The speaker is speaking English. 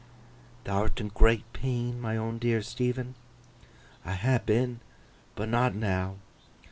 'Thou'rt in great pain, my own dear Stephen?' 'I ha' been, but not now.